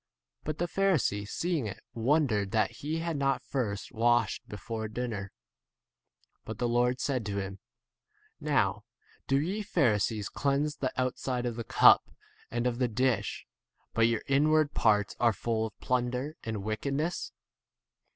But the Pharisee seeing [it] wondered that he had not first washed 39 before dinner. But the Lord said to him, Now do ye Pharisees cleanse the outside of the cup and of the dish, but your inward [parts] are full of plunder and 40 wickedness.